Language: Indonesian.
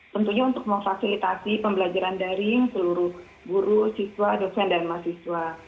tentunya untuk memfasilitasi pembelajaran daring seluruh guru siswa dosen dan mahasiswa